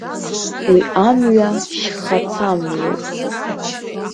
Уи амҩа шьхацамҩоуп.